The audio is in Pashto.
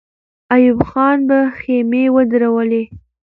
ایوب خان به خېمې ودرولي.